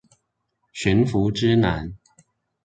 馴服之難